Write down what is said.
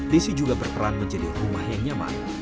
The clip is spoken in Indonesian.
desi juga berperan menjadi rumah yang nyaman